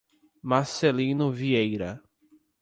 Marcelino Vieira